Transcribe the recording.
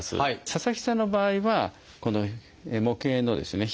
佐々木さんの場合はこの模型のですね